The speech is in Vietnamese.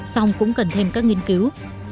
xong cũng cần thêm các nghiên cứu